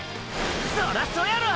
そらそやろ！！